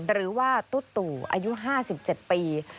หรือว่าตุ๊ตู่อายุ๕๗ปี